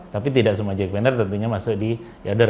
tapi tidak semua jakprender tentunya masuk di e order